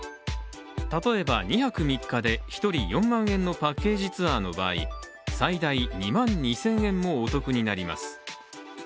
例えば２泊３日で１人４万円のパッケージツアーの場合最大２万２０００円もお得になります。